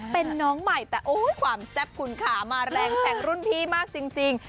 เป็นน้องใหม่แต่โอ้ยความแซ่บคุณขามาแรงแทงรุ่นพี่มากจริง